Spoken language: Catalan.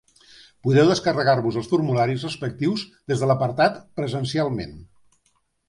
Podeu descarregar-vos els formularis respectius des de l'apartat 'Presencialment'.